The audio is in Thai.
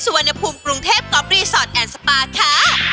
ตัวนภูมิกรุงเทพก๊อบรีสอร์ตแอนด์สปาค่ะ